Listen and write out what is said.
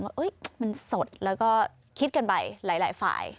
ว่ามันสดแล้วก็คิดกันไปหลายฝ่าย